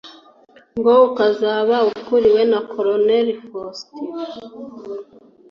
ngo ukazaba ukuriwe na Colonel Faustin,